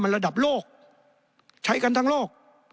ระดับโลกใช้กันทั้งโลก